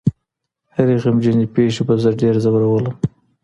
هرې غمجنې پېښې به زه ډېر ځورولم.